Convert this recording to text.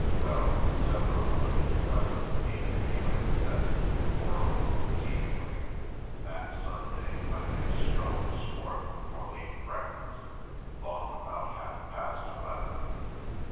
Well, several of those present ain't feeling the best in the world, seemingly, that Sunday when they strolls forth for late breakfast 'long about half past eleven.